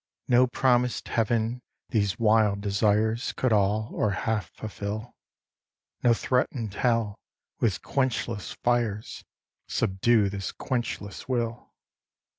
No promised heaven, these wild desires Could all, or half fulfil; No threatened hell, with quenchless fires, Subdue this quenchless will!"